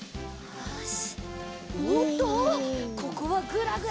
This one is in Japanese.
よし！